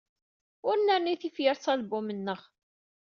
Ur nerni tifyar s album-nneɣ.